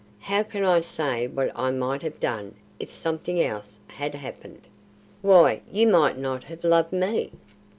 How can I say what I might have done if something else had happened? Why, you might not have loved me."